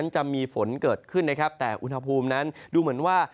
จะมีฝนเกิดขึ้นนะครับแต่อุณหภูมินั้นดูเหมือนว่า